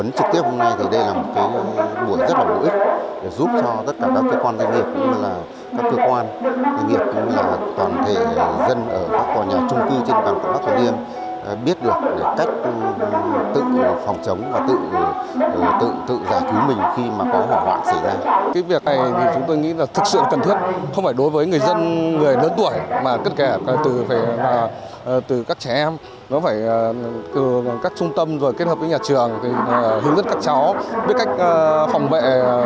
nó phải từ các trung tâm rồi kết hợp với nhà trường hướng dẫn các cháu biết cách phòng vệ